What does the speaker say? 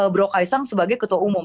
brock aisang sebagai ketua umum